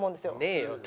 ねえよ。